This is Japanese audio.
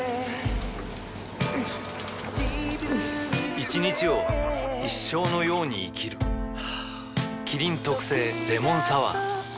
一日を一生のように生きる麒麟特製レモンサワーやあしばらく